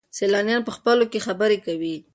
سیلانیان په خپلو کې خبرې کوي.